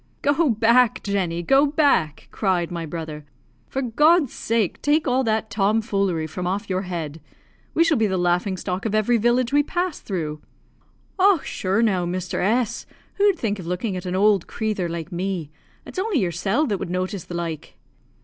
"Go back, Jenny; go back," cried my brother. "For God's sake take all that tom foolery from off your head. We shall be the laughing stock of every village we pass through." "Och, shure now, Mr. S , who'd think of looking at an owld crathur like me! It's only yersel' that would notice the like."